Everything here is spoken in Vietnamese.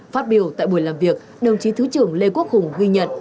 phát biểu tại buổi làm việc đồng chí thứ trưởng lê quốc hùng ghi nhận